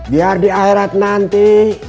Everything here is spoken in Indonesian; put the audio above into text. biar di akhirat nanti